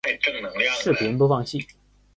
视频播放器